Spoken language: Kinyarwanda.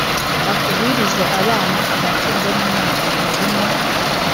akugwirize abana, amatungo n’imyaka mu mirima,